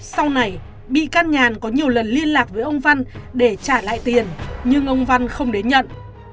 sau này bị can nhàn có nhiều lần liên lạc với ông văn để trả lại tiền nhưng ông văn không đến nhận